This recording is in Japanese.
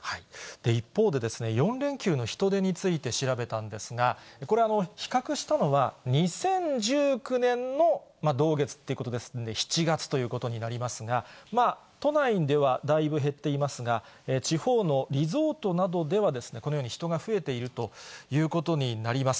一方で、４連休の人出について調べたんですが、これは比較したのは、２０１９年の同月ということですんで、７月ということになりますが、都内ではだいぶ減っていますが、地方のリゾートなどでは、このように人が増えているということになります。